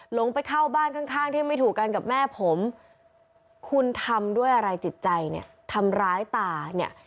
ลงไปเข้าบ้านข้างที่ไม่ถูกกันกับแม่ผมคุณทำด้วยอะไรจิตใจเนี่ยทำร้ายตาเนี่ย